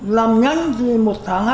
làm nhanh thì một tháng